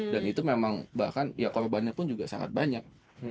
dan itu memang bahkan ya korbannya pun juga sangat banyak